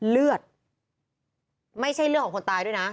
เลือดไม่ใช่เลือดของคนตายด้วยนะ